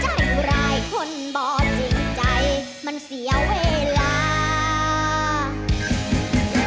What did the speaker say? สิไปทางได้กล้าไปน้องบ่ได้สนของพ่อสำนี